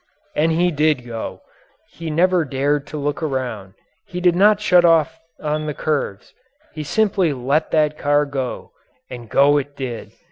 And he did go.... He never dared to look around. He did not shut off on the curves. He simply let that car go and go it did.